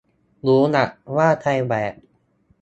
รู้ละว่าใครแบก